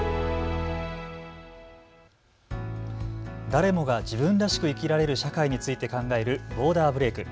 誰もが自分らしく生きられる社会について考えるボーダーブレイク。